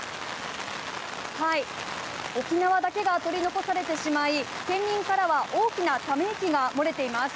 沖縄だけが取り残されてしまい、県民からは大きなため息が漏れています。